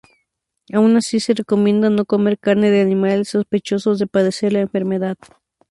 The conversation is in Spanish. Aun así, se recomienda no comer carne de animales sospechosos de padecer la enfermedad.